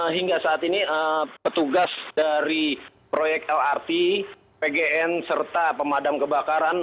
hingga saat ini petugas dari proyek lrt pgn serta pemadam kebakaran